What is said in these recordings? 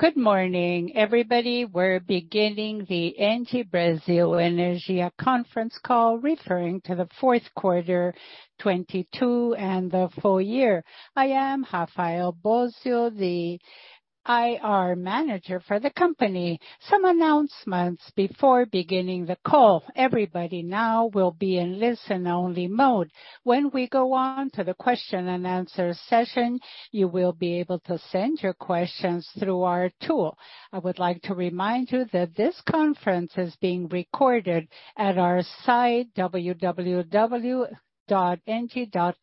Good morning, everybody. We're beginning the ENGIE Brasil Energia conference call, referring to the fourth quarter 2022 and the full year. I am Rafael Bósio, the IR manager for the company. Some announcements before beginning the call. Everybody now will be in listen-only mode. When we go on to the question-and-answer session, you will be able to send your questions through our tool. I would like to remind you that this conference is being recorded at our site, www.engie.com.br. We have the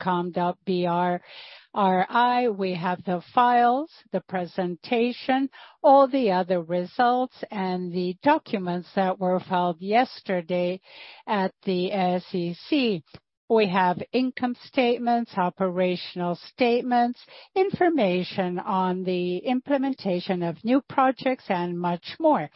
files, the presentation, all the other results, and the documents that were filed yesterday at the SEC. We have income statements, operational statements, information on the implementation of new projects, and much more.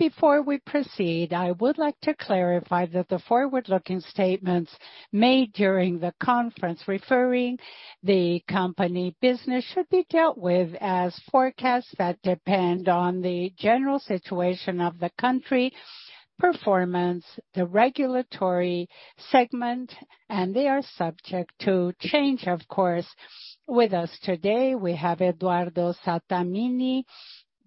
Before we proceed, I would like to clarify that the forward-looking statements made during the conference referring the company business should be dealt with as forecasts that depend on the general situation of the country, performance, the regulatory segment, and they are subject to change, of course. With us today, we have Eduardo Sattamini,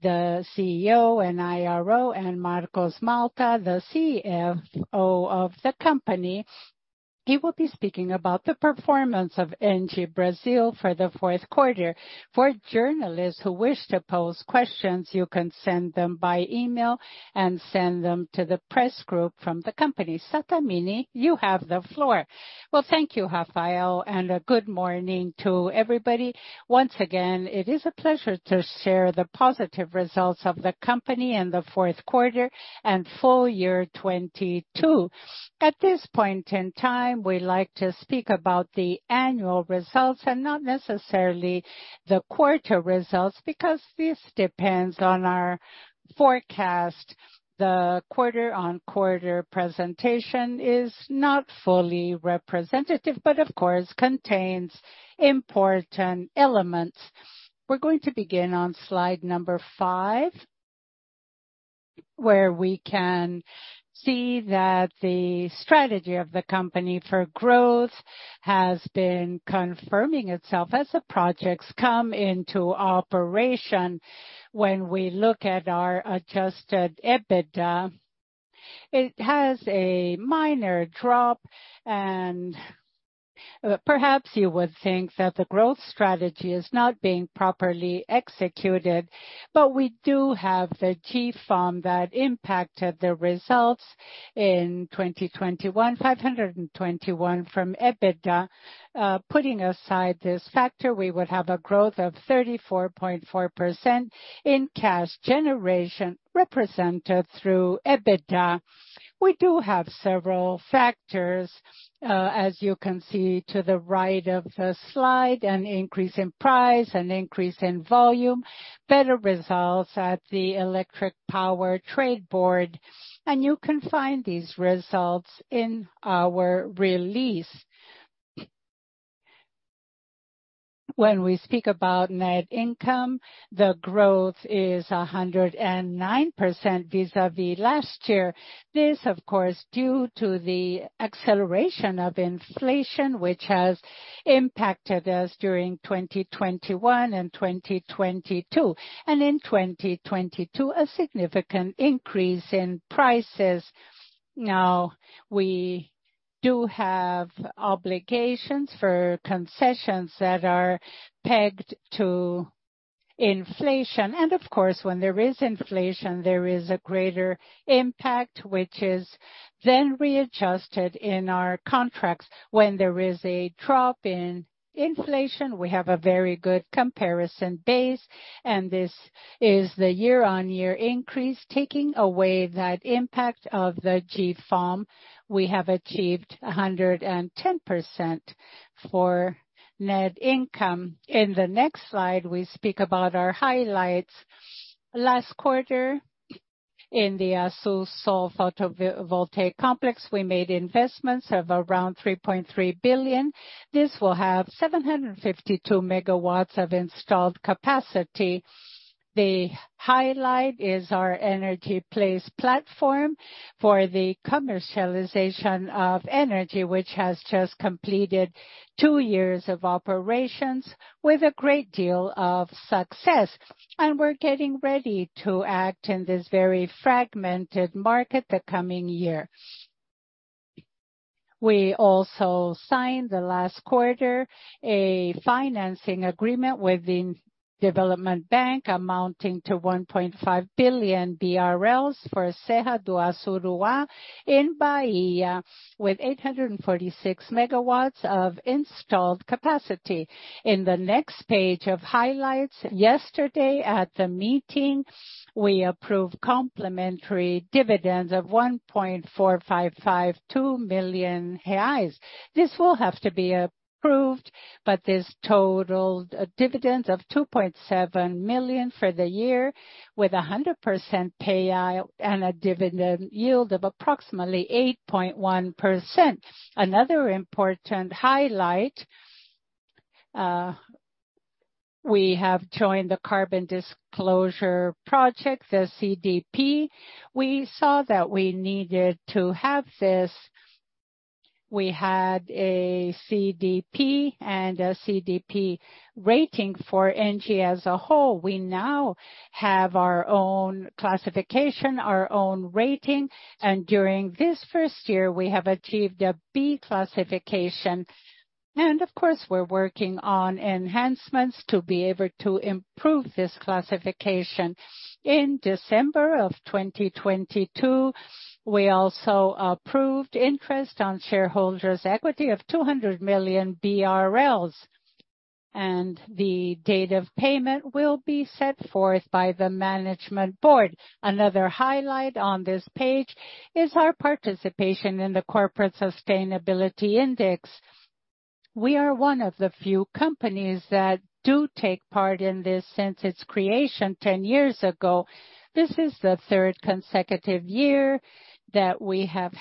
the CEO and IRO, and Marcelo Malta, the CFO of the company. He will be speaking about the performance of ENGIE Brasil for the fourth quarter. For journalists who wish to pose questions, you can send them by email and send them to the press group from the company. Sattamini, you have the floor. Well, thank you, Rafael, and a good morning to everybody. Once again, it is a pleasure to share the positive results of the company in the fourth quarter and full year 2022. At this point in time, we like to speak about the annual results and not necessarily the quarter results because this depends on our forecast. The quarter-on-quarter presentation is not fully representative, of course contains important elements. We're going to begin on slide number 5, where we can see that the strategy of the company for growth has been confirming itself as the projects come into operation. When we look at our adjusted EBITDA, it has a minor drop and, perhaps you would think that the growth strategy is not being properly executed. We do have the GFAM that impacted the results in 2021, 521 from EBITDA. Putting aside this factor, we would have a growth of 34.4% in cash generation represented through EBITDA. We do have several factors, as you can see to the right of the slide, an increase in price, an increase in volume, better results at the electric power trade board. You can find these results in our release. When we speak about net income, the growth is 109% vis-à-vis last year. This, of course, due to the acceleration of inflation, which has impacted us during 2021 and 2022. In 2022, a significant increase in prices. We do have obligations for concessions that are pegged to inflation. Of course, when there is inflation, there is a greater impact, which is then readjusted in our contracts. When there is a drop in inflation, we have a very good comparison base, and this is the year-on-year increase. Taking away that impact of the GFAM, we have achieved 110% for net income. In the next slide, we speak about our highlights. Last quarter, in the Assú Sol photovoltaic complex, we made investments of around 3.3 billion. This will have 752 megawatts of installed capacity. The highlight is our Energy Place platform for the commercialization of energy, which has just completed 2 years of operations with a great deal of success. We're getting ready to act in this very fragmented market the coming year. We also signed the last quarter a financing agreement with the development bank amounting to 1.5 billion BRL for Serra do Assuruá in Bahia, with 846 megawatts of installed capacity. In the next page of highlights, yesterday at the meeting, we approved complementary dividends of 1.4552 million reais. This will have to be approved, but this totaled a dividend of 2.7 million for the year, with a 100% payout and a dividend yield of approximately 8.1%. Another important highlight. We have joined the Carbon Disclosure Project, the CDP. We saw that we needed to have this. We had a CDP and a CDP rating for ENGIE as a whole. We now have our own classification, our own rating. During this first year, we have achieved a B classification. Of course, we're working on enhancements to be able to improve this classification. In December of 2022, we also approved interest on shareholders' equity of 200 million BRL, and the date of payment will be set forth by the management board. Another highlight on this page is our participation in the Corporate Sustainability Index. We are one of the few companies that do take part in this since its creation 10 years ago. This is the 3rd consecutive year that we have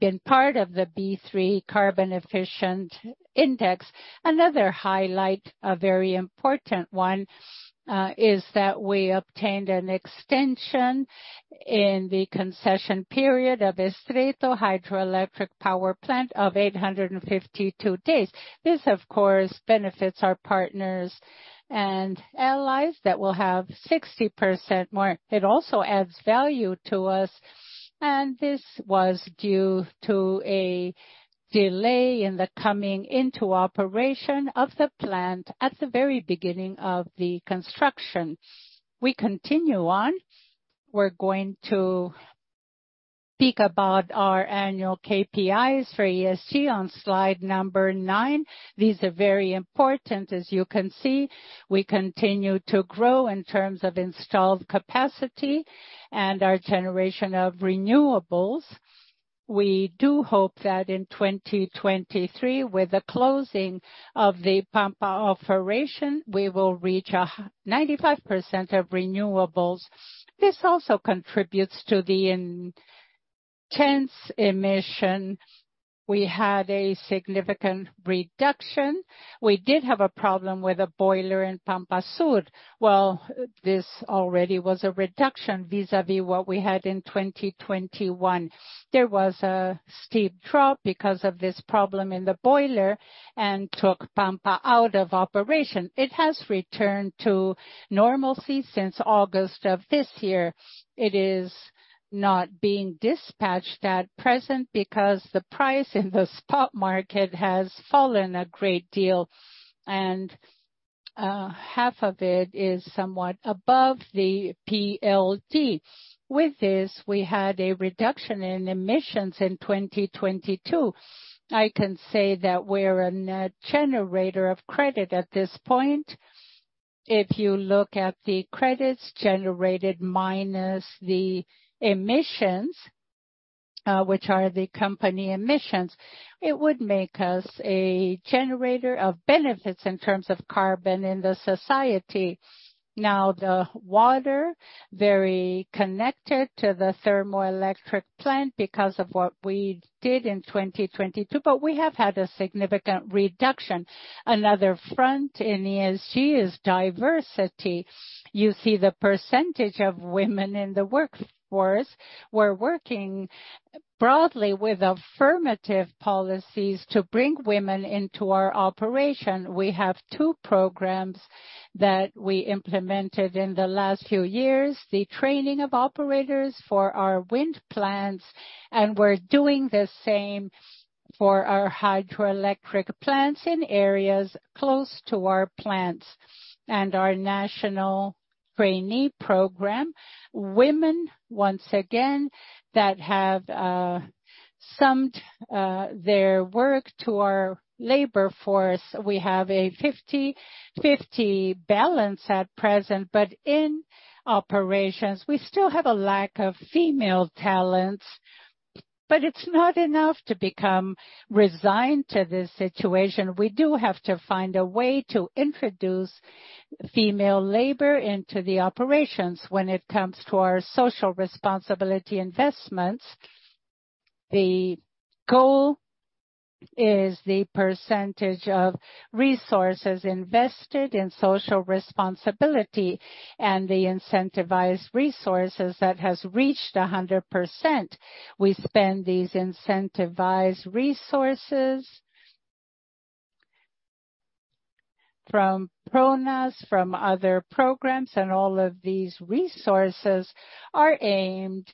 been part of the B3 Carbon Efficient Index. Another highlight, a very important one, is that we obtained an extension in the concession period of Estreito Hydroelectric Power Plant of 852 days. This, of course, benefits our partners and allies that will have 60% more. It also adds value to us. This was due to a delay in the coming into operation of the plant at the very beginning of the construction. We continue on. We're going to speak about our annual KPIs for ESG on slide number nine. These are very important. As you can see, we continue to grow in terms of installed capacity and our generation of renewables. We do hope that in 2023, with the closing of the Pampa operation, we will reach 95% of renewables. This also contributes to the intense emission. We had a significant reduction. We did have a problem with a boiler in Pampa Sul. Well, this already was a reduction vis-à-vis what we had in 2021. There was a steep drop because of this problem in the boiler and took Pampa out of operation. It has returned to normalcy since August of this year. It is not being dispatched at present because the price in the spot market has fallen a great deal and half of it is somewhat above the PLD. With this, we had a reduction in emissions in 2022. I can say that we're a net generator of credit at this point. If you look at the credits generated minus the emissions, which are the company emissions, it would make us a generator of benefits in terms of carbon in the society. Now, the water, very connected to the thermoelectric plant because of what we did in 2022, but we have had a significant reduction. Another front in ESG is diversity. You see the percentage of women in the workforce. We're working broadly with affirmative policies to bring women into our operation. We have two programs that we implemented in the last few years, the training of operators for our wind plants, and we're doing the same for our hydroelectric plants in areas close to our plants. Our national trainee program. Women, once again, that have summed their work to our labor force. We have a 50/50 balance at present, but in operations, we still have a lack of female talents. It's not enough to become resigned to this situation. We do have to find a way to introduce female labor into the operations. When it comes to our social responsibility investments, the goal is the percentage of resources invested in social responsibility and the incentivized resources that has reached 100%. We spend these incentivized resources from Pronas, from other programs. All of these resources are aimed for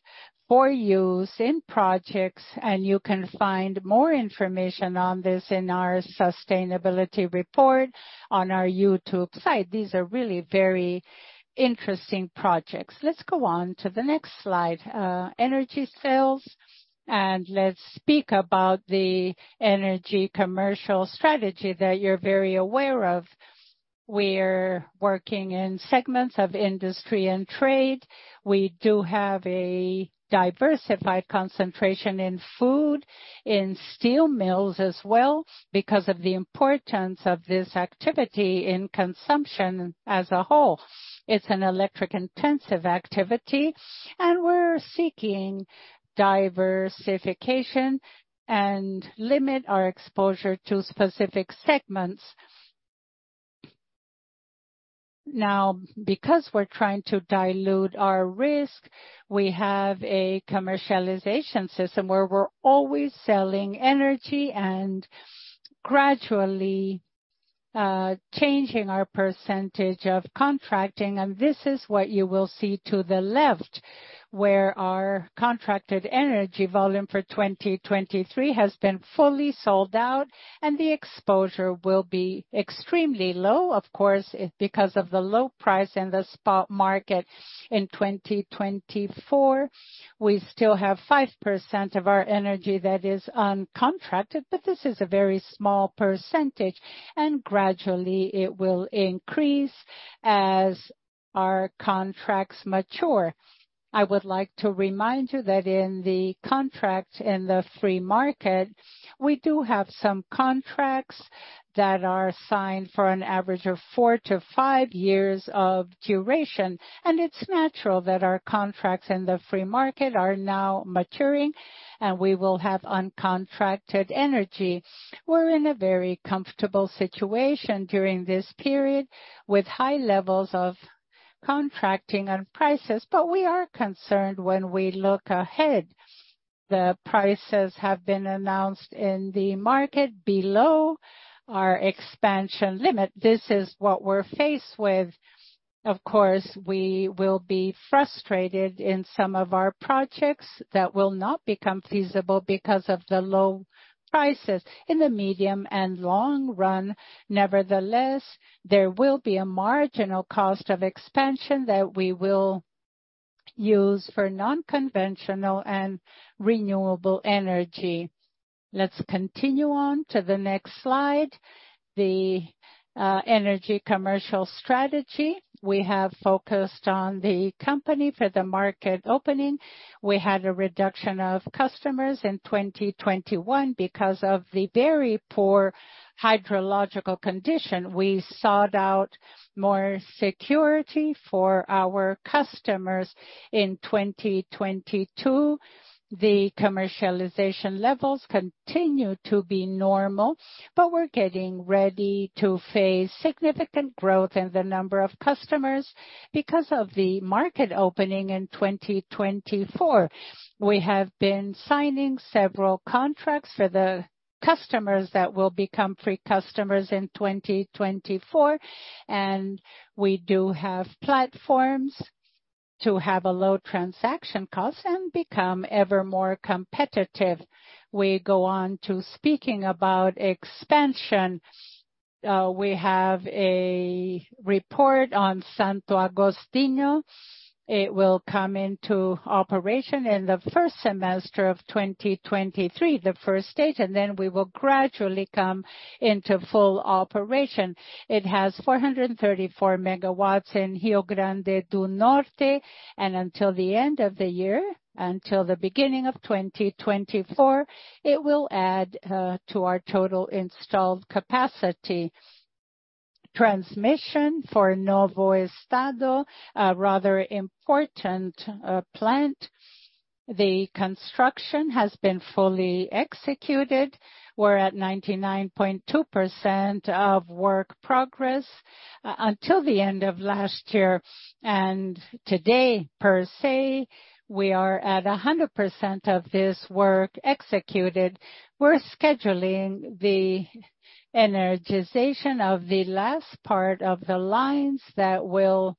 use in projects. You can find more information on this in our sustainability report on our YouTube site. These are really very interesting projects. Let's go on to the next slide. Energy sales. Let's speak about the energy commercial strategy that you're very aware of. We're working in segments of industry and trade. We do have a diversified concentration in food, in steel mills as well because of the importance of this activity in consumption as a whole. It's an electric-intensive activity. We're seeking diversification and limit our exposure to specific segments. Because we're trying to dilute our risk, we have a commercialization system where we're always selling energy and gradually changing our percentage of contracting. This is what you will see to the left, where our contracted energy volume for 2023 has been fully sold out, and the exposure will be extremely low. Of course, because of the low price in the spot market in 2024, we still have 5% of our energy that is uncontracted, but this is a very small percentage, and gradually it will increase as our contracts mature. I would like to remind you that in the contract in the free market, we do have some contracts that are signed for an average of 4-5 years of duration. It's natural that our contracts in the free market are now maturing, and we will have uncontracted energy. We're in a very comfortable situation during this period with high levels of contracting and prices, but we are concerned when we look ahead. The prices have been announced in the market below our expansion limit. This is what we're faced with. Of course, we will be frustrated in some of our projects that will not become feasible because of the low prices in the medium and long run. Nevertheless, there will be a marginal cost of expansion that we will use for non-conventional and renewable energy. Let's continue on to the next slide. The energy commercial strategy. We have focused on the company for the market opening. We had a reduction of customers in 2021 because of the very poor hydrological condition. We sought out more security for our customers in 2022. The commercialization levels continue to be normal, but we're getting ready to face significant growth in the number of customers because of the market opening in 2024. We have been signing several contracts for the customers that will become free customers in 2024. We do have platforms to have a low transaction cost and become ever more competitive. We go on to speaking about expansion. We have a report on Santo Agostinho. It will come into operation in the first semester of 2023, the first stage. Then we will gradually come into full operation. It has 434 megawatts in Rio Grande do Norte. Until the end of the year, until the beginning of 2024, it will add to our total installed capacity. Transmission for Novo Estado, a rather important plant. The construction has been fully executed. We're at 99.2% of work progress, until the end of last year. Today, per se, we are at 100% of this work executed. We're scheduling the energization of the last part of the lines that will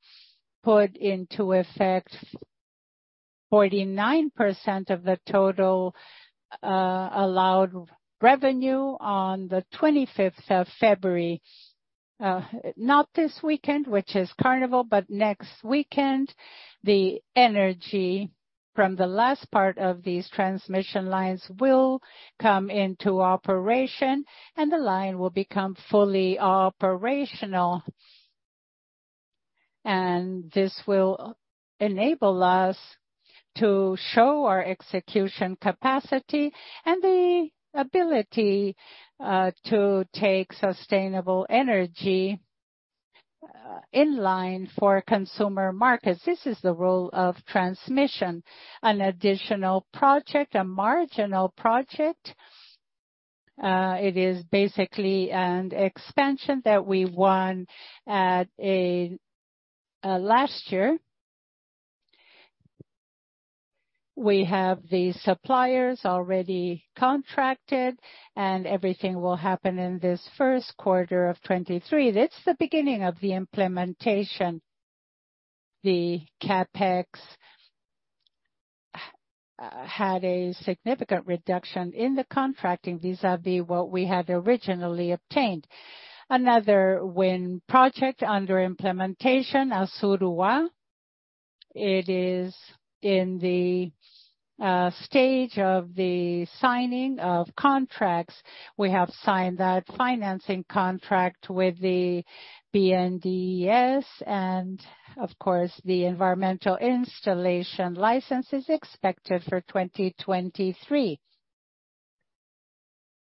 put into effect 49% of the total allowed revenue on the 25th of February. Not this weekend, which is carnival, but next weekend, the energy from the last part of these transmission lines will come into operation, and the line will become fully operational. This will enable us to show our execution capacity and the ability to take sustainable energy in line for consumer markets. This is the role of transmission. An additional project, a marginal project. It is basically an expansion that we won last year. We have the suppliers already contracted, and everything will happen in this first quarter of 2023. That's the beginning of the implementation. The CapEx had a significant reduction in the contracting vis-à-vis what we had originally obtained. Another wind project under implementation, Serra do Assuruá. It is in the stage of the signing of contracts. We have signed that financing contract with the BNDES, of course, the environmental installation license is expected for 2023.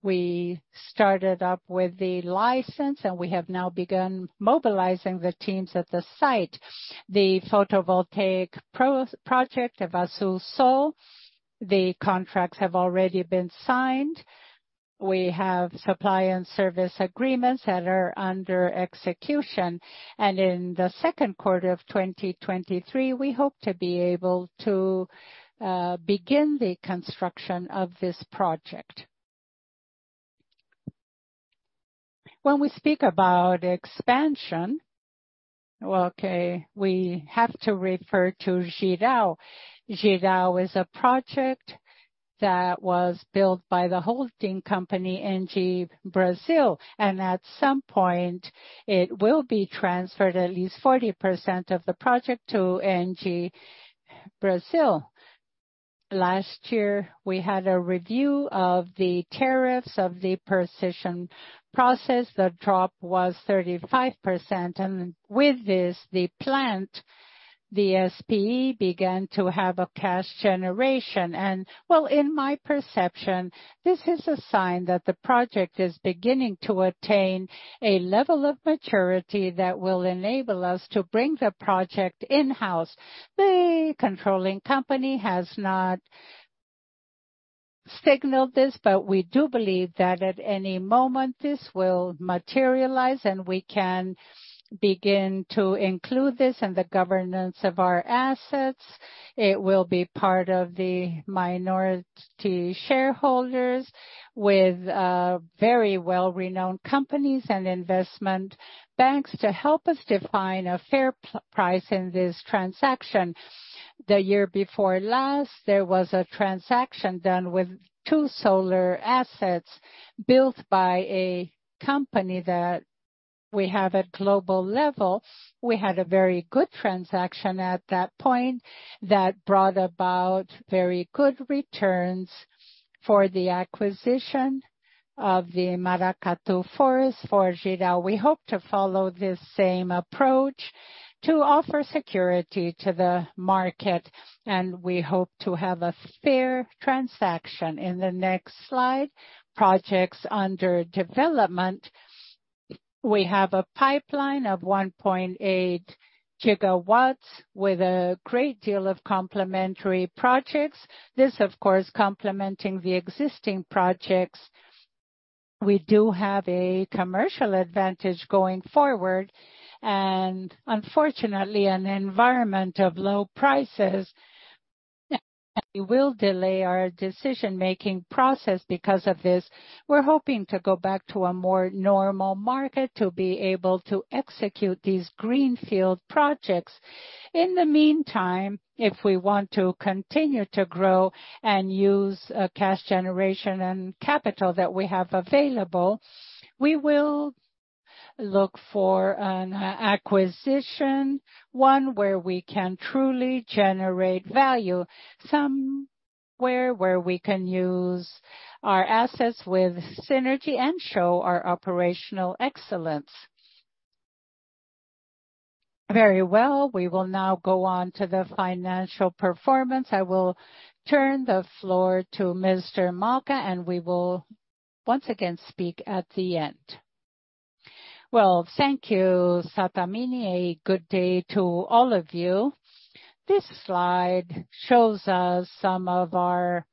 We started up with the license, we have now begun mobilizing the teams at the site. The photovoltaic project of Assú Sol, the contracts have already been signed. We have supply and service agreements that are under execution. In the second quarter of 2023, we hope to be able to begin the construction of this project. When we speak about expansion, okay, we have to refer to Jirau. Jirau is a project that was built by the holding company, ENGIE Brasil, at some point it will be transferred at least 40% of the project to ENGIE Brasil. Last year, we had a review of the tariffs of the precision process. The drop was 35%. With this, the plant, the SPE began to have a cash generation. Well, in my perception, this is a sign that the project is beginning to attain a level of maturity that will enable us to bring the project in-house. The controlling company has not signaled this, but we do believe that at any moment this will materialize, and we can begin to include this in the governance of our assets. It will be part of the minority shareholders with very well-renowned companies and investment banks to help us define a fair price in this transaction. The year before last, there was a transaction done with two solar assets built by a company that we have at global level. We had a very good transaction at that point that brought about very good returns for the acquisition of the Maracatu Forest for Jirau. We hope to follow this same approach to offer security to the market. We hope to have a fair transaction. In the next slide, projects under development. We have a pipeline of 1.8 gigawatts with a great deal of complementary projects. This, of course, complementing the existing projects. We do have a commercial advantage going forward. Unfortunately, an environment of low prices will delay our decision-making process. Because of this, we're hoping to go back to a more normal market to be able to execute these greenfield projects. In the meantime, if we want to continue to grow and use cash generation and capital that we have available, we will look for an acquisition, one where we can truly generate value, somewhere where we can use our assets with synergy and show our operational excellence. Very well. We will now go on to the financial performance. I will turn the floor to Mr. Malta. We will once again speak at the end. Thank you, Sattamini. A good day to all of you. This slide shows us some of our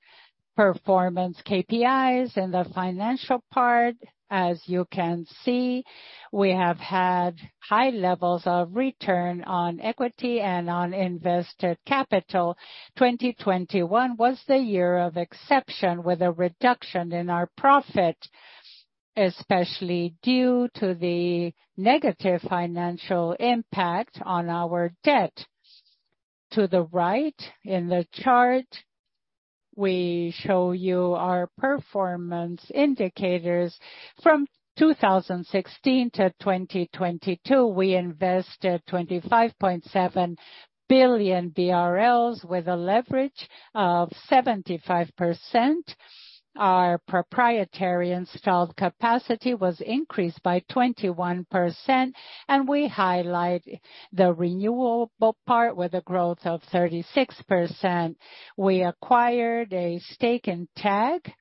performance KPIs in the financial part. As you can see, we have had high levels of return on equity and on invested capital. 2021 was the year of exception with a reduction in our profit, especially due to the negative financial impact on our debt. To the right in the chart, we show you our performance indicators. From 2016 to 2022, we invested 25.7 billion BRL with a leverage of 75%. Our proprietary installed capacity was increased by 21%, and we highlight the renewable part with a growth of 36%. We acquired a stake in TAG.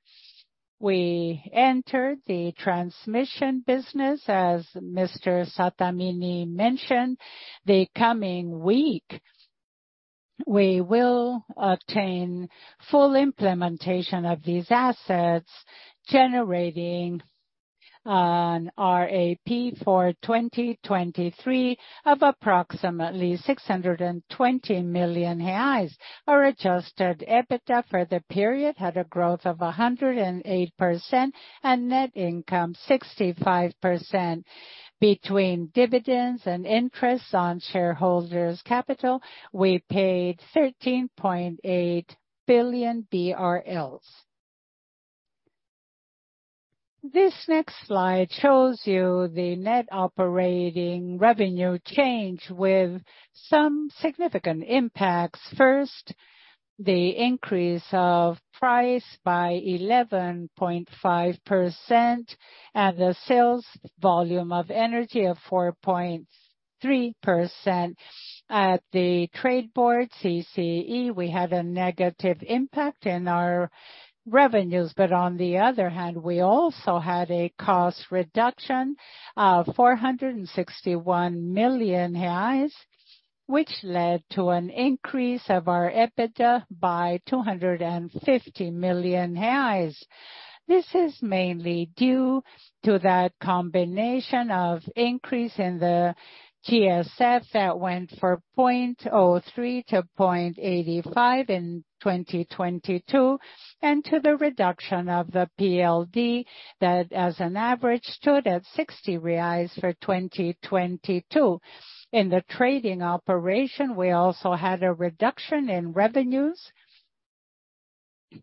We entered the transmission business. As Mr. Sattamini mentioned, the coming week, we will obtain full implementation of these assets, generating an RAP for 2023 of approximately 620 million reais. Our adjusted EBITDA for the period had a growth of 108% and net income 65%. Between dividends and interest on shareholders capital, we paid BRL 13.8 billion. This next slide shows you the net operating revenue change with some significant impacts. First, the increase of price by 11.5% and the sales volume of energy of 4.3%. At the trade board CCEE, we had a negative impact in our revenues. On the other hand, we also had a cost reduction of 461 million reais, which led to an increase of our EBITDA by 250 million reais. This is mainly due to that combination of increase in the GSF that went 0.03 to 0.85 in 2022, to the reduction of the PLD that as an average stood at 60 reais for 2022. In the trading operation, we also had a reduction in revenues,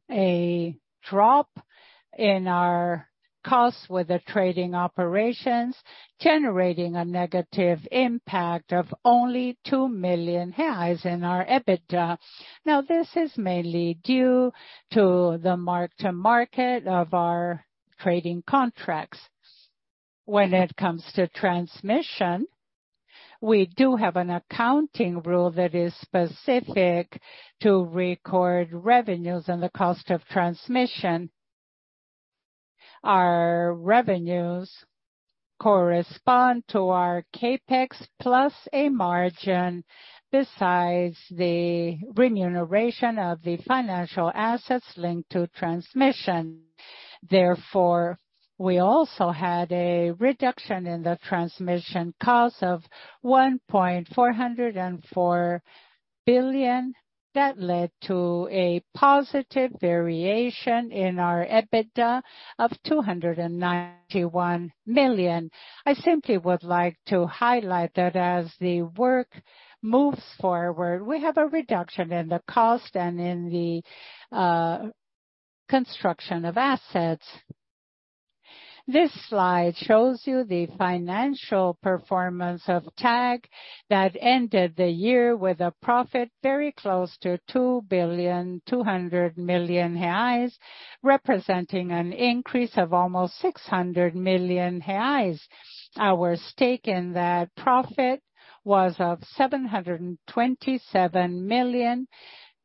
a drop in our costs with the trading operations, generating a negative impact of only 2 million reais in our EBITDA. This is mainly due to the mark to market of our trading contracts. When it comes to transmission, we do have an accounting rule that is specific to record revenues and the cost of transmission. Our revenues correspond to our CapEx plus a margin besides the remuneration of the financial assets linked to transmission. We also had a reduction in the transmission cost of 1.404 billion that led to a positive variation in our EBITDA of 291 million. I simply would like to highlight that as the work moves forward, we have a reduction in the cost and in the construction of assets. This slide shows you the financial performance of TAG that ended the year with a profit very close to 2.2 billion, representing an increase of almost 600 million reais. Our stake in that profit was of 727 million,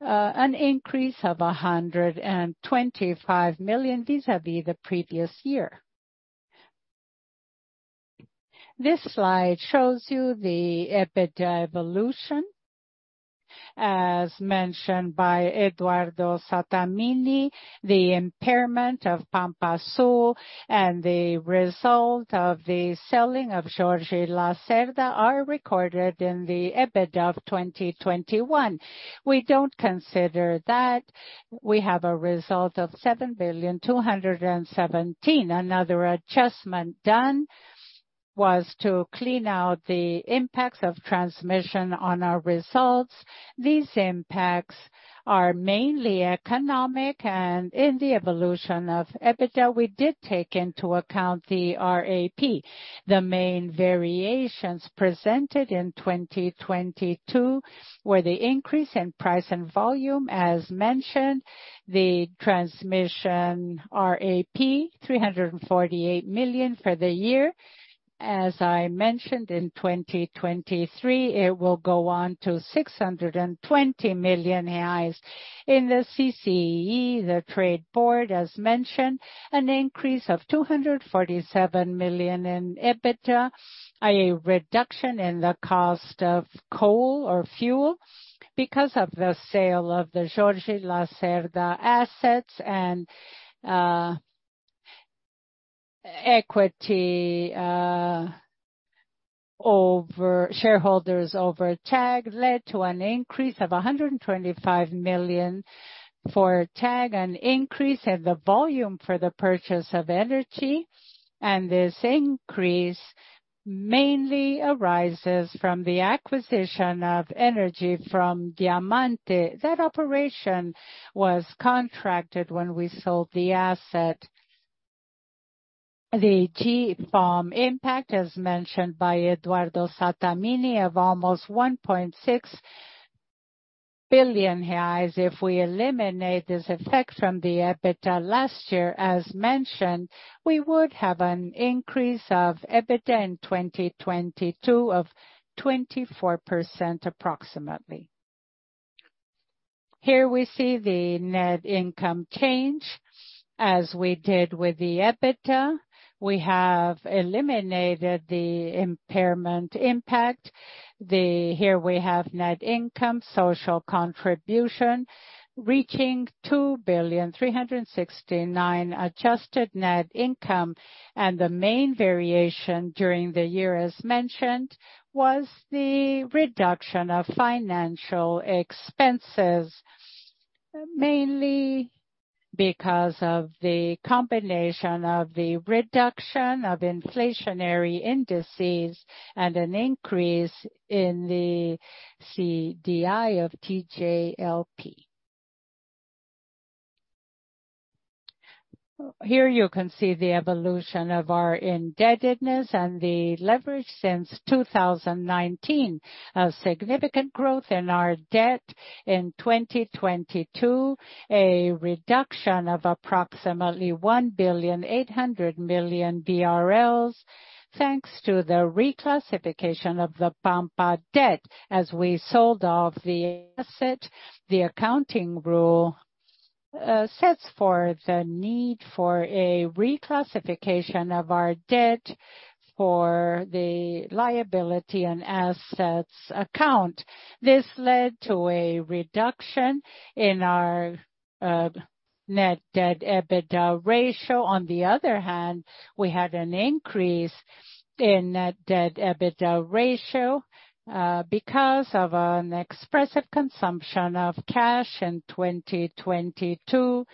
an increase of 125 million vis-a-vis the previous year. This slide shows you the EBITDA evolution. As mentioned by Eduardo Sattamini, the impairment of Pampa Sul and the result of the selling of Jorge Lacerda are recorded in the EBITDA of 2021. We don't consider that. We have a result of 7,000,000,217. Another adjustment done was to clean out the impacts of transmission on our results. These impacts are mainly economic. In the evolution of EBITDA, we did take into account the RAP. The main variations presented in 2022 were the increase in price and volume. As mentioned, the transmission RAP, 348 million for the year. As I mentioned, in 2023, it will go on to 620 million reais. In the CCE, the trade board as mentioned, an increase of 247 million in EBITDA, a reduction in the cost of coal or fuel because of the sale of the Jorge Lacerda assets and equity shareholders over TAG led to an increase of 125 million for TAG, an increase in the volume for the purchase of energy. This increase mainly arises from the acquisition of energy from Diamante. That operation was contracted when we sold the asset. The GFAM impact, as mentioned by Eduardo Sattamini, of almost 1.6 billion reais. If we eliminate this effect from the EBITDA last year, as mentioned, we would have an increase of EBITDA in 2022 of 24% approximately. Here we see the net income change. As we did with the EBITDA, we have eliminated the impairment impact. Here we have net income, social contribution reaching 2.369 billion adjusted net income. The main variation during the year, as mentioned, was the reduction of financial expenses, mainly because of the combination of the reduction of inflationary indices and an increase in the CDI of TJLP. Here you can see the evolution of our indebtedness and the leverage since 2019. A significant growth in our debt in 2022, a reduction of approximately 1.8 billion, thanks to the reclassification of the Pampa debt. As we sold off the asset, the accounting rule sets for the need for a reclassification of our debt for the liability and assets account. This led to a reduction in our net debt EBITDA ratio. On the other hand, we had an increase in net debt EBITDA ratio, because of an expressive consumption of cash in 2022,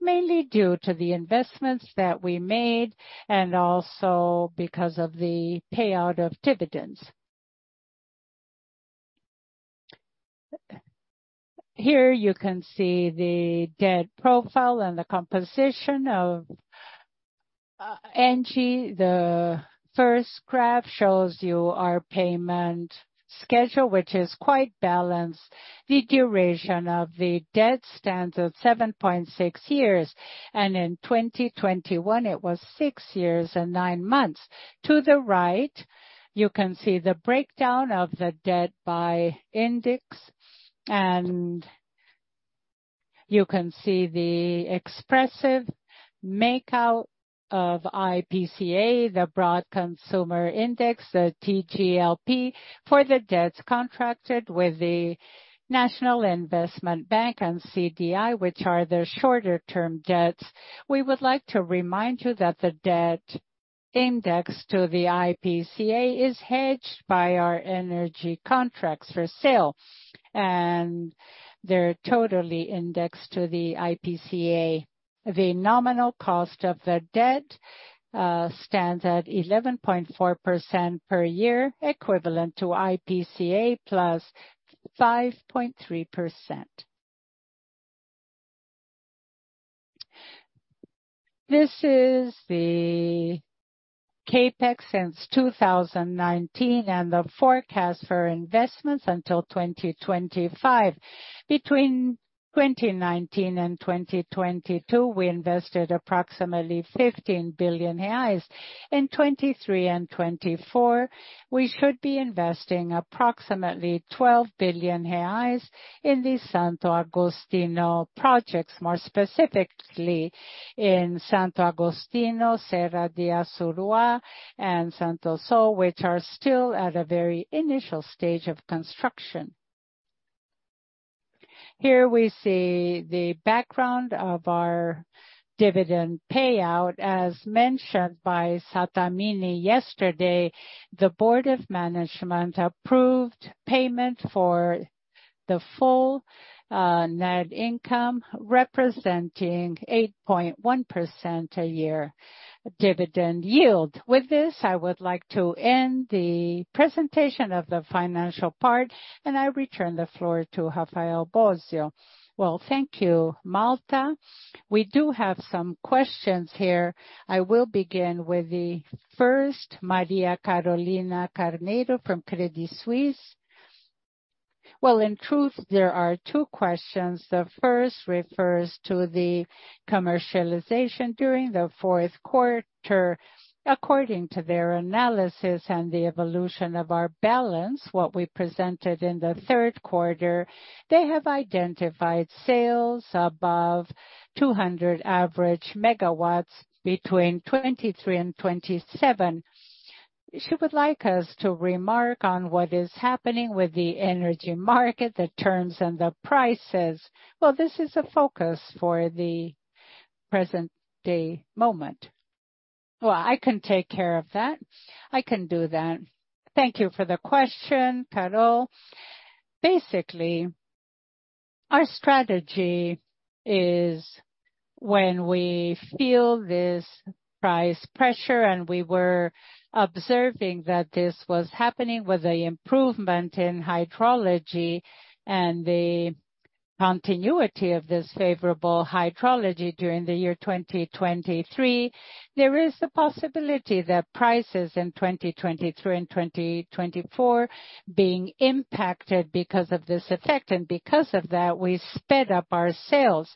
mainly due to the investments that we made and also because of the payout of dividends. Here you can see the debt profile and the composition of ENGIE. The first graph shows you our payment schedule, which is quite balanced. The duration of the debt stands at 7.6 years, and in 2021 it was 6 years and 9 months. To the right, you can see the breakdown of the debt by index, and you can see the expressive make out of IPCA, the broad consumer index, the TJLP for the debts contracted with the National Investment Bank and CDI, which are the shorter term debts. We would like to remind you that the debt index to the IPCA is hedged by our energy contracts for sale, and they're totally indexed to the IPCA. The nominal cost of the debt stands at 11.4% per year, equivalent to IPCA plus 5.3%. This is the CapEx since 2019 and the forecast for investments until 2025. Between 2019 and 2022, we invested approximately 15 billion reais. In 2023 and 2024, we should be investing approximately 12 billion reais in the Santo Agostinho projects, more specifically in Santo Agostinho, Serra do Assuruá and Santo Sol, which are still at a very initial stage of construction. Here we see the background of our dividend payout. As mentioned by Sattamini yesterday, the board of management approved payment for the full net income, representing 8.1% a year dividend yield. With this, I would like to end the presentation of the financial part, I return the floor to Rafael Bósio. Well, thank you, Malta. We do have some questions here. I will begin with the first, Maria Carolina Carneiro from Credit Suisse. Well, in truth, there are two questions. The first refers to the commercialization during the fourth quarter. According to their analysis and the evolution of our balance, what we presented in the third quarter, they have identified sales above 200 average megawatts between 2023 and 2027. She would like us to remark on what is happening with the energy market, the terms and the prices. Well, this is a focus for the present day moment. Well, I can take care of that. I can do that. Thank you for the question, Carol. Basically, our strategy is when we feel this price pressure, and we were observing that this was happening with a improvement in hydrology and the continuity of this favorable hydrology during the year 2023, there is the possibility that prices in 2023 and 2024 being impacted because of this effect. Because of that, we sped up our sales.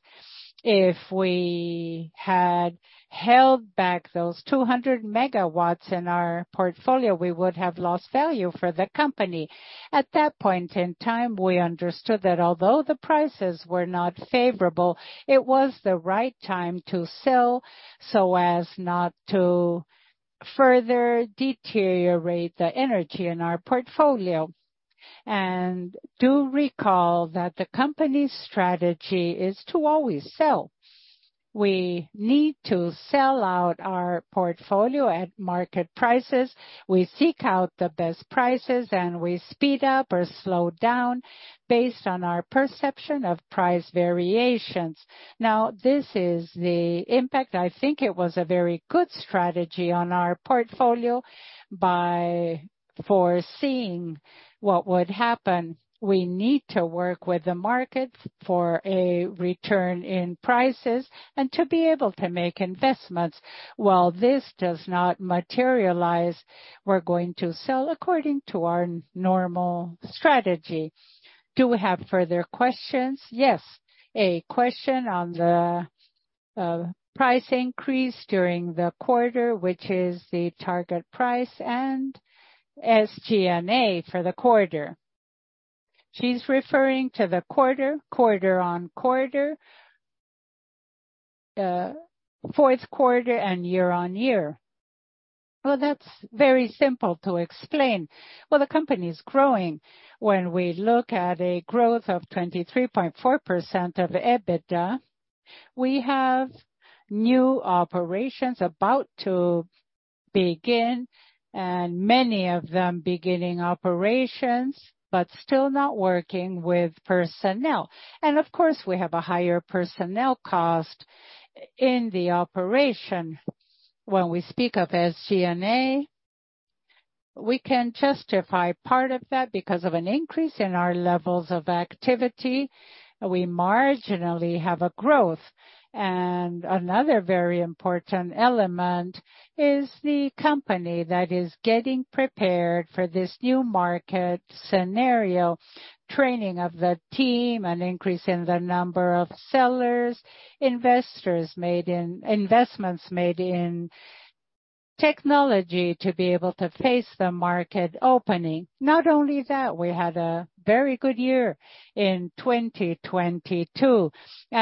If we had held back those 200 megawatts in our portfolio, we would have lost value for the company. At that point in time, we understood that although the prices were not favorable, it was the right time to sell, so as not to further deteriorate the energy in our portfolio. Do recall that the company's strategy is to always sell. We need to sell out our portfolio at market prices. We seek out the best prices, we speed up or slow down based on our perception of price variations. This is the impact. I think it was a very good strategy on our portfolio by foreseeing what would happen. We need to work with the market for a return in prices and to be able to make investments. While this does not materialize, we're going to sell according to our normal strategy. Do we have further questions? Yes. A question on the price increase during the quarter, which is the target price and SG&A for the quarter. She's referring to the quarter-on-quarter, fourth quarter, and year-on-year. That's very simple to explain. The company is growing. We look at a growth of 23.4% of EBITDA, we have new operations about to begin, and many of them beginning operations but still not working with personnel. Of course, we have a higher personnel cost in the operation. We speak of SG&A, we can justify part of that because of an increase in our levels of activity. We marginally have a growth. Another very important element is the company that is getting prepared for this new market scenario, training of the team, an increase in the number of sellers, investments made in technology to be able to face the market opening. We had a very good year in 2022.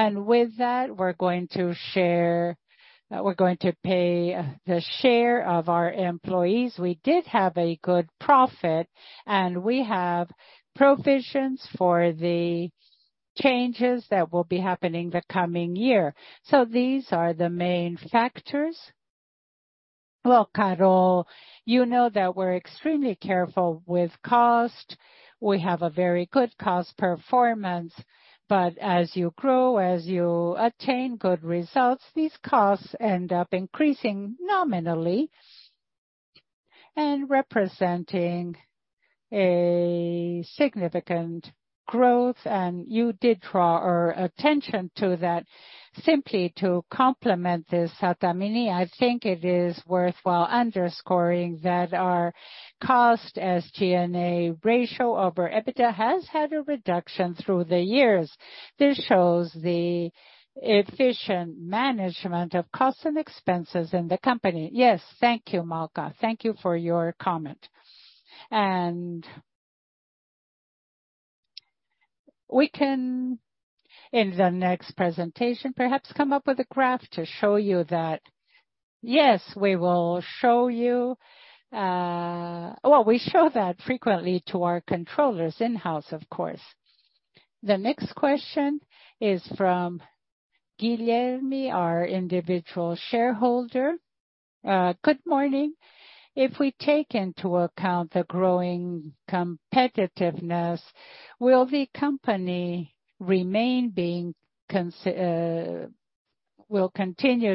With that, we're going to pay the share of our employees. We did have a good profit, and we have provisions for the changes that will be happening the coming year. These are the main factors. Well, Carol, you know that we're extremely careful with cost. We have a very good cost performance, but as you grow, as you attain good results, these costs end up increasing nominally and representing a significant growth. You did draw our attention to that. Simply to complement this, Sattamini, I think it is worthwhile underscoring that our cost SG&A ratio over EBITDA has had a reduction through the years. This shows the efficient management of costs and expenses in the company. Yes. Thank you, Malta. Thank you for your comment. We can, in the next presentation, perhaps come up with a graph to show you that. Yes, we will show you. Well, we show that frequently to our controllers in-house, of course. The next question is from Guilherme, our individual shareholder. Good morning. If we take into account the growing competitiveness, will the company continue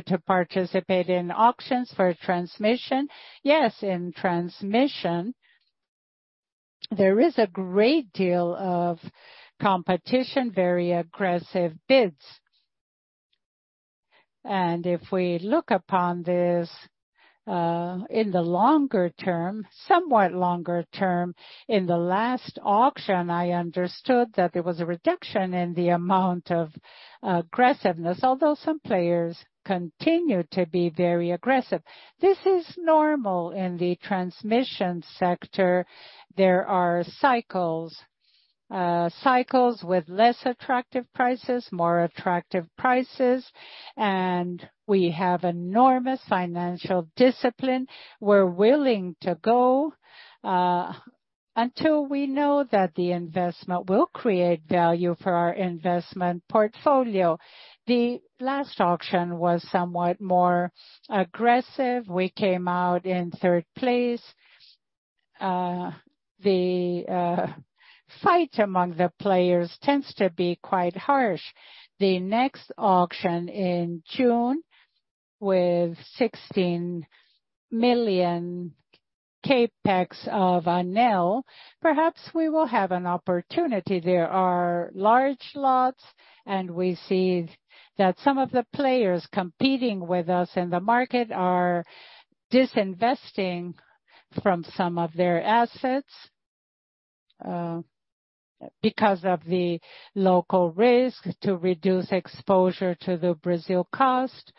to participate in auctions for transmission? Yes, in transmission, there is a great deal of competition, very aggressive bids. If we look upon this, in the longer term, somewhat longer term, in the last auction, I understood that there was a reduction in the amount of aggressiveness, although some players continued to be very aggressive. This is normal in the transmission sector. There are cycles with less attractive prices, more attractive prices, and we have enormous financial discipline. We're willing to go until we know that the investment will create value for our investment portfolio. The last auction was somewhat more aggressive. We came out in third place. The fight among the players tends to be quite harsh. The next auction in June with 16 million CapEx of ANEEL, perhaps we will have an opportunity. There are large lots, we see that some of the players competing with us in the market are disinvesting from some of their assets because of the local risk to reduce exposure to the Brazil cost.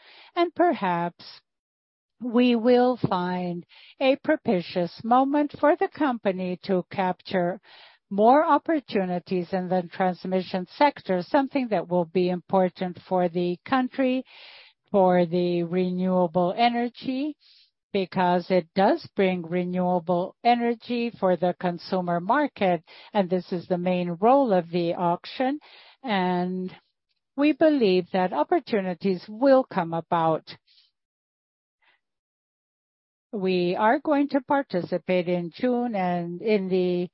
Perhaps we will find a propitious moment for the company to capture more opportunities in the transmission sector, something that will be important for the country. For the renewable energy, because it does bring renewable energy for the consumer market, and this is the main role of the auction. We believe that opportunities will come about. We are going to participate in June and in the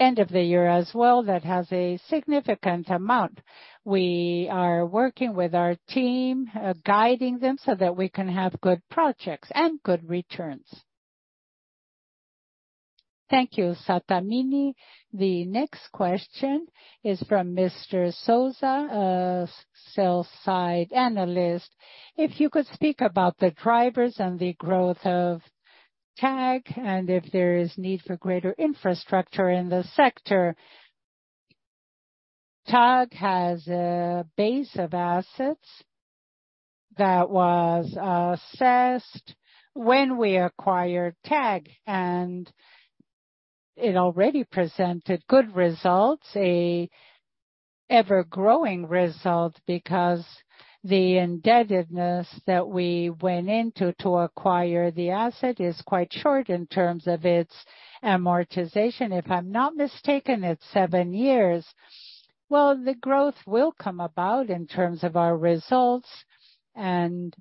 end of the year as well, that has a significant amount. We are working with our team, guiding them so that we can have good projects and good returns. Thank you, Sattamini. The next question is from Mr. Sosa, sell-side analyst. If you could speak about the drivers and the growth of TAG and if there is need for greater infrastructure in the sector. TAG has a base of assets that was assessed when we acquired TAG. It already presented good results. A ever-growing result because the indebtedness that we went into to acquire the asset is quite short in terms of its amortization. If I'm not mistaken, it's 7 years. Well, the growth will come about in terms of our results, and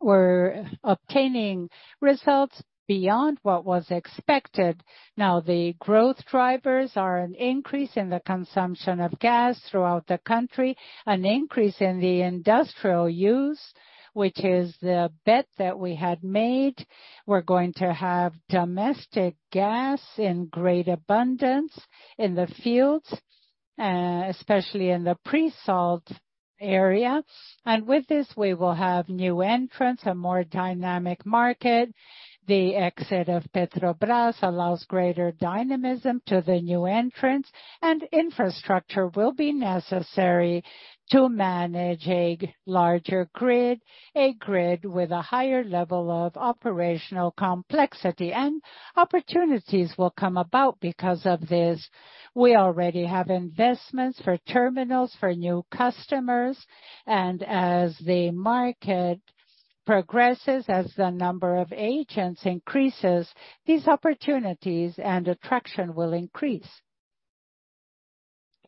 we're obtaining results beyond what was expected. Now, the growth drivers are an increase in the consumption of gas throughout the country, an increase in the industrial use, which is the bet that we had made. We're going to have domestic gas in great abundance in the fields, especially in the pre-salt area. With this, we will have new entrants, a more dynamic market. The exit of Petrobras allows greater dynamism to the new entrants, and infrastructure will be necessary to manage a larger grid, a grid with a higher level of operational complexity. Opportunities will come about because of this. We already have investments for terminals, for new customers, and as the market progresses, as the number of agents increases, these opportunities and attraction will increase.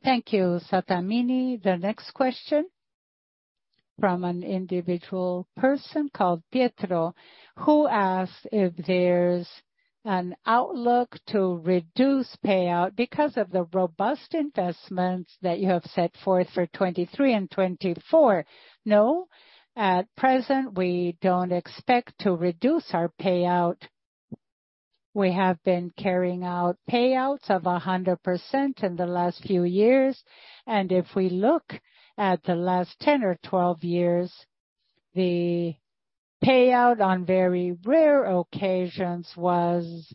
Thank you, Sattamini. The next question from an individual person called Pietro, who asks if there's an outlook to reduce payout because of the robust investments that you have set forth for 2023 and 2024. No, at present, we don't expect to reduce our payout. We have been carrying out payouts of 100% in the last few years, and if we look at the last 10 or 12 years, the payout on very rare occasions was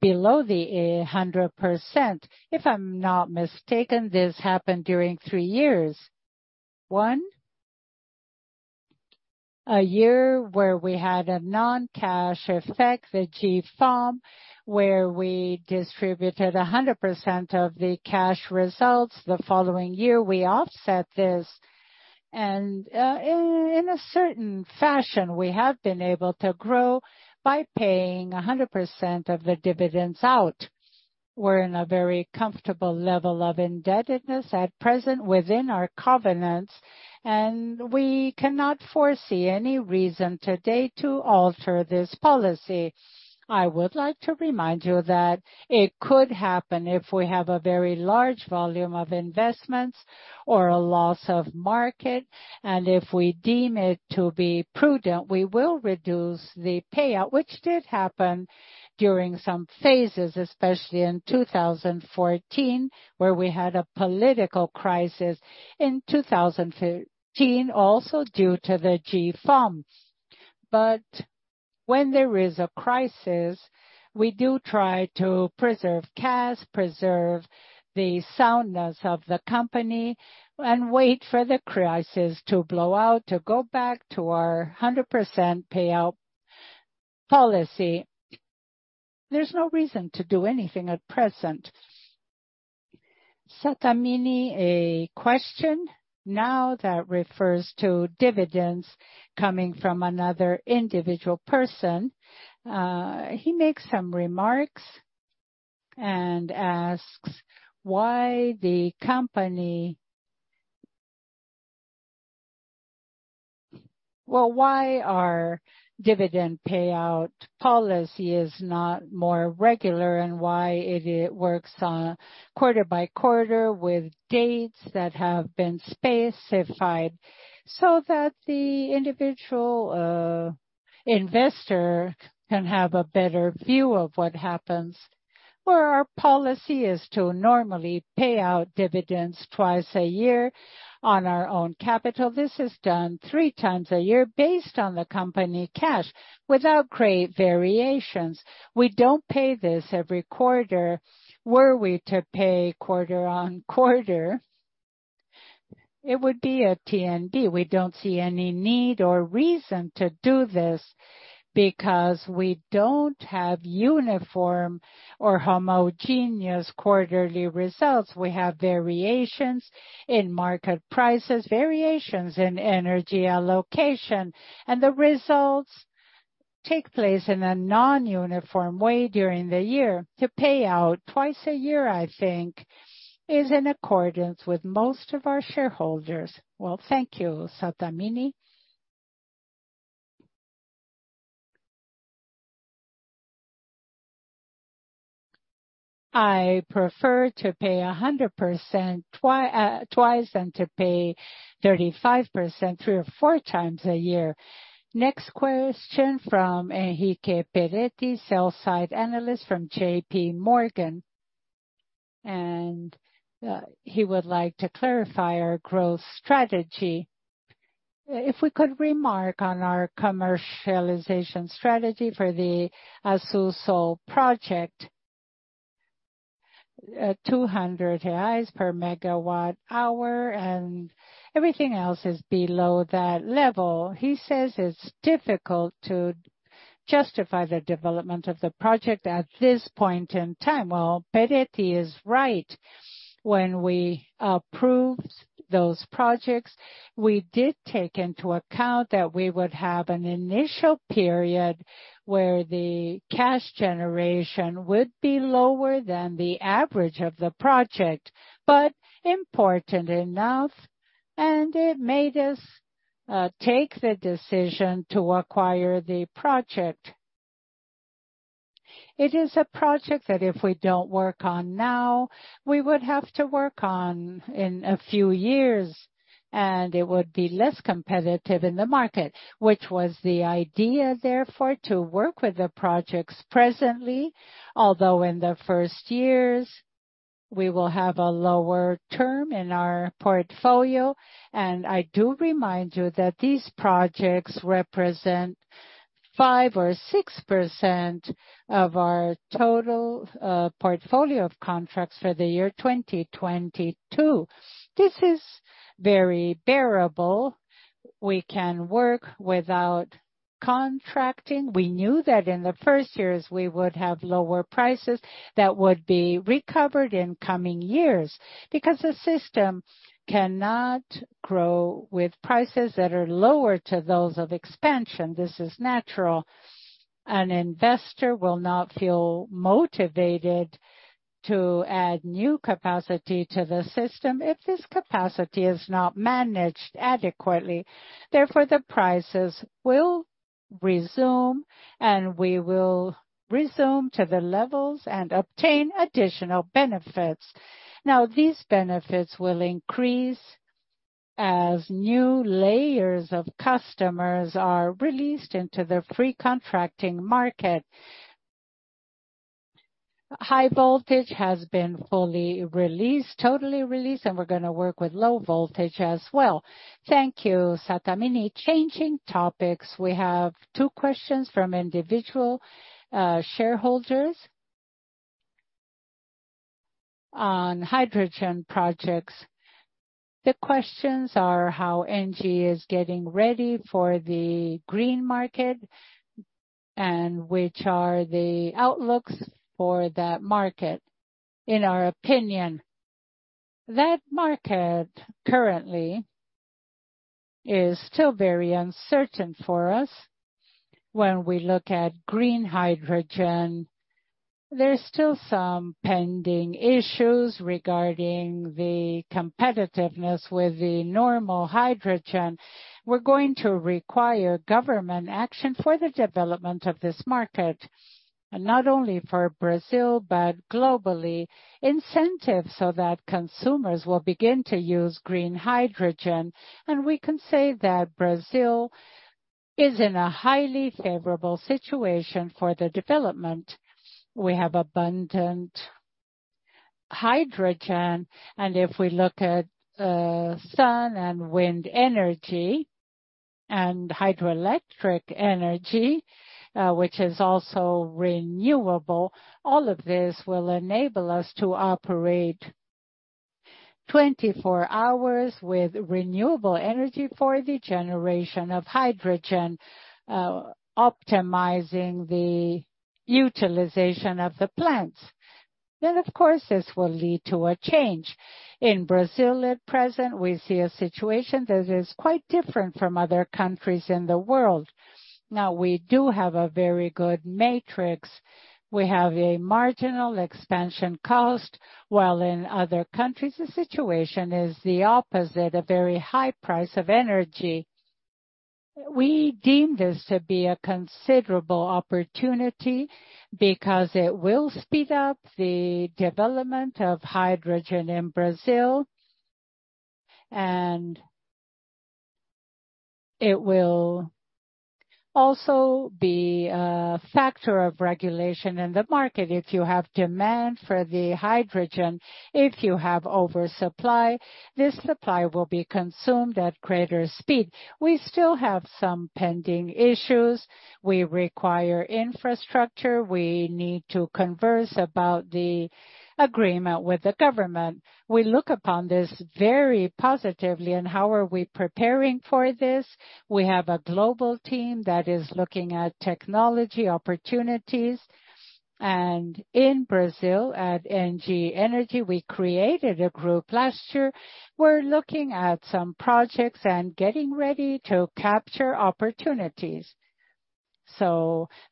below the 100%. If I'm not mistaken, this happened during three years. One, a year where we had a non-cash effect, the GFAM, where we distributed 100% of the cash results. The following year, we offset this. In a certain fashion, we have been able to grow by paying 100% of the dividends out. We're in a very comfortable level of indebtedness at present within our covenants, we cannot foresee any reason today to alter this policy. I would like to remind you that it could happen if we have a very large volume of investments or a loss of market. If we deem it to be prudent, we will reduce the payout, which did happen during some phases, especially in 2014, where we had a political crisis. 2015, also due to the GFAMs. When there is a crisis, we do try to preserve cash, preserve the soundness of the company, and wait for the crisis to blow out, to go back to our 100% payout policy. There's no reason to do anything at present. Sattamini, a question now that refers to dividends coming from another individual person. He makes some remarks and asks why the company. Why our dividend payout policy is not more regular and why it works on quarter by quarter with dates that have been specified, so that the individual investor can have a better view of what happens. Our policy is to normally pay out dividends twice a year on our own capital. This is done 3 times a year based on the company cash without great variations. We don't pay this every quarter. Were we to pay quarter on quarter, it would be a TND. We don't see any need or reason to do this because we don't have uniform or homogeneous quarterly results. We have variations in market prices, variations in energy allocation, and the results take place in a non-uniform way during the year. To pay out twice a year, I think, is in accordance with most of our shareholders. Well, thank you, Sattamini. I prefer to pay 100% twice than to pay 35% 3 or 4 times a year. Next question from Henrique Peretti, Sell side analyst from JPMorgan. He would like to clarify our growth strategy. If we could remark on our commercialization strategy for the Assú Sol project. 200 reais per megawatt hour and everything else is below that level. He says it's difficult to justify the development of the project at this point in time. Well, Peretti is right. When we approved those projects, we did take into account that we would have an initial period where the cash generation would be lower than the average of the project, but important enough, and it made us take the decision to acquire the project. It is a project that if we don't work on now, we would have to work on in a few years, and it would be less competitive in the market. Which was the idea, therefore, to work with the projects presently. Although in the first years, we will have a lower term in our portfolio. I do remind you that these projects represent 5% or 6% of our total portfolio of contracts for the year 2022. This is very bearable. We can work without contracting. We knew that in the first years we would have lower prices that would be recovered in coming years. The system cannot grow with prices that are lower to those of expansion. This is natural. An investor will not feel motivated to add new capacity to the system if this capacity is not managed adequately. The prices will resume, and we will resume to the levels and obtain additional benefits. These benefits will increase as new layers of customers are released into the free contracting market. High voltage has been fully released, totally released, and we're gonna work with low voltage as well. Thank you, Sattamini. Changing topics. We have 2 questions from individual shareholders on hydrogen projects. The questions are how ENGIE is getting ready for the green market, and which are the outlooks for that market. In our opinion, that market currently is still very uncertain for us. When we look at green hydrogen, there's still some pending issues regarding the competitiveness with the normal hydrogen. We're going to require government action for the development of this market, not only for Brazil but globally. Incentives so that consumers will begin to use green hydrogen. We can say that Brazil is in a highly favorable situation for the development. We have abundant hydrogen, and if we look at sun and wind energy and hydroelectric energy, which is also renewable, all of this will enable us to operate 24 hours with renewable energy for the generation of hydrogen, optimizing the utilization of the plants. Of course, this will lead to a change. In Brazil at present, we see a situation that is quite different from other countries in the world. We do have a very good matrix. We have a marginal expansion cost, while in other countries the situation is the opposite, a very high price of energy. We deem this to be a considerable opportunity because it will speed up the development of hydrogen in Brazil, and it will also be a factor of regulation in the market. If you have demand for the hydrogen, if you have oversupply, this supply will be consumed at greater speed. We still have some pending issues. We require infrastructure. We need to converse about the agreement with the government. We look upon this very positively. How are we preparing for this? We have a global team that is looking at technology opportunities. In Brazil at ENGIE Brasil, we created a group last year. We're looking at some projects and getting ready to capture opportunities.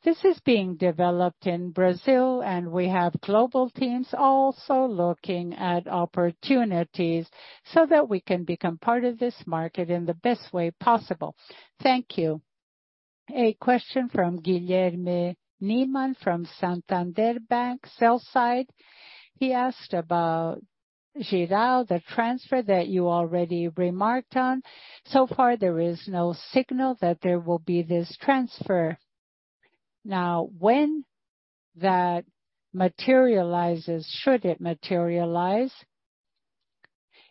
This is being developed in Brazil, and we have global teams also looking at opportunities so that we can become part of this market in the best way possible. Thank you. A question from Guilherme Lima from Santander Bank, sell side. He asked about Jirau, the transfer that you already remarked on. So far, there is no signal that there will be this transfer. When that materializes, should it materialize,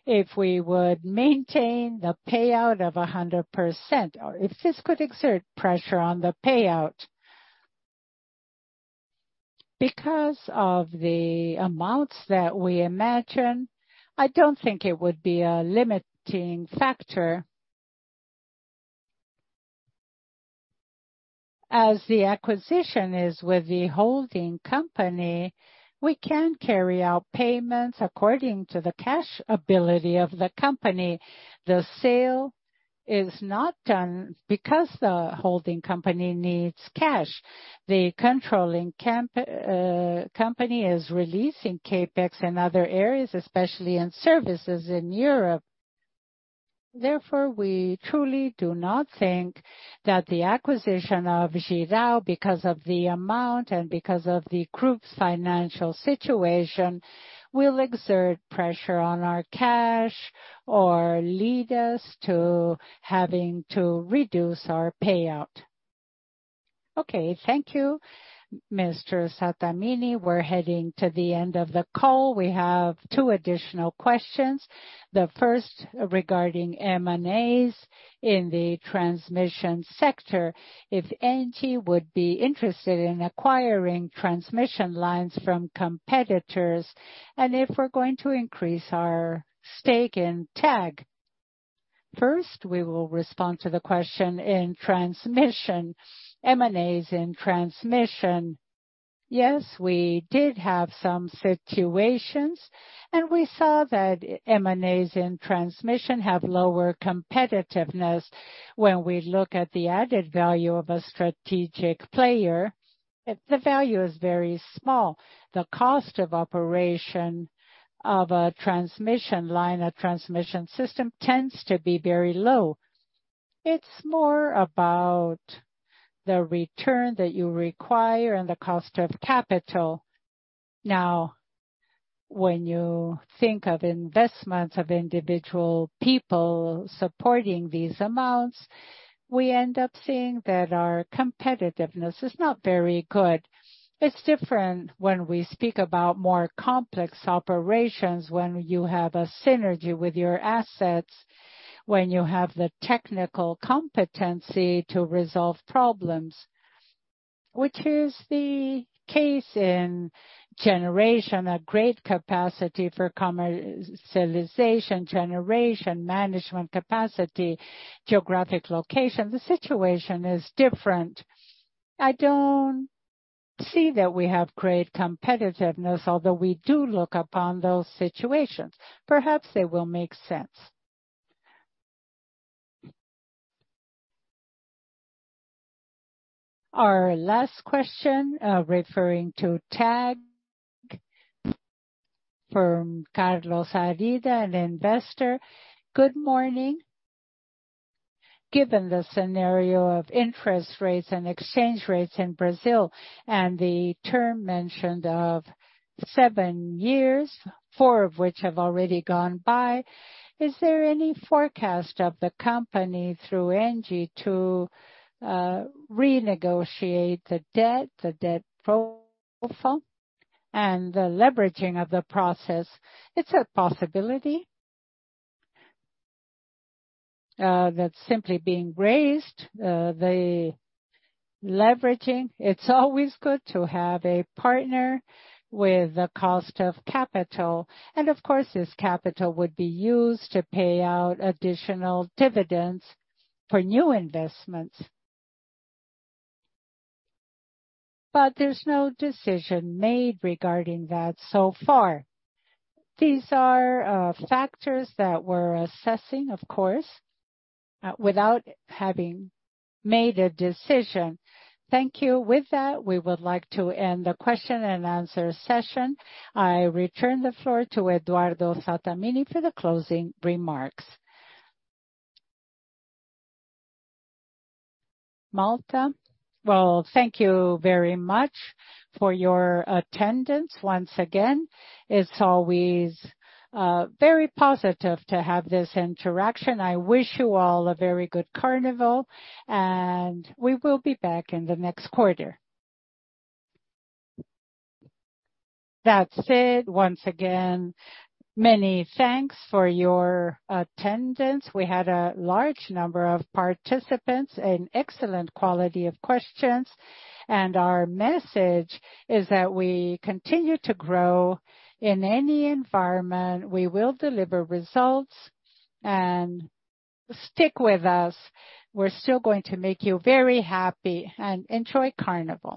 if we would maintain the payout of 100%, or if this could exert pressure on the payout. Because of the amounts that we imagine, I don't think it would be a limiting factor. As the acquisition is with the holding company, we can carry out payments according to the cash ability of the company. The sale is not done because the holding company needs cash. The controlling camp, company is releasing CapEx in other areas, especially in services in Europe. We truly do not think that the acquisition of Jirau, because of the amount and because of the group's financial situation, will exert pressure on our cash or lead us to having to reduce our payout. Thank you, Mr. Sattamini. We're heading to the end of the call. We have two additional questions. The first regarding M&As in the transmission sector. If ENGIE would be interested in acquiring transmission lines from competitors, and if we're going to increase our stake in TAG. We will respond to the question in transmission, M&As in transmission. We did have some situations, and we saw that M&As in transmission have lower competitiveness when we look at the added value of a strategic player. The value is very small. The cost of operation of a transmission line, a transmission system, tends to be very low. It's more about the return that you require and the cost of capital. When you think of investments of individual people supporting these amounts, we end up seeing that our competitiveness is not very good. It's different when we speak about more complex operations, when you have a synergy with your assets, when you have the technical competency to resolve problems, which is the case in generation, a great capacity for commercialization, generation, management capacity, geographic location. The situation is different. I don't see that we have great competitiveness, although we do look upon those situations. Perhaps they will make sense. Our last question, referring to TAG from Carlos Arruda, an investor. Good morning. Given the scenario of interest rates and exchange rates in Brazil, and the term mentioned of seven years, four of which have already gone by, is there any forecast of the company through ENGIE to renegotiate the debt, the debt profile, and the leveraging of the process? It's a possibility that's simply being raised. The leveraging, it's always good to have a partner with the cost of capital, and of course, this capital would be used to pay out additional dividends for new investments. There's no decision made regarding that so far. These are factors that we're assessing, of course, without having made a decision. Thank you. With that, we would like to end the question and answer session. I return the floor to Eduardo Sattamini for the closing remarks. Malta. Thank you very much for your attendance once again. It's always very positive to have this interaction. I wish you all a very good Carnival. We will be back in the next quarter. That's it. Once again, many thanks for your attendance. We had a large number of participants, an excellent quality of questions. Our message is that we continue to grow. In any environment, we will deliver results. Stick with us, we're still going to make you very happy, and enjoy Carnival.